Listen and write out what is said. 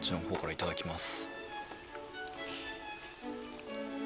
いただきます。